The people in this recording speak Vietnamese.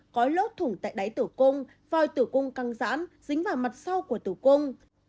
có lốt thủng tại đáy tử cung vòi tử cung căng rãn dính vào mặt sau của tử cung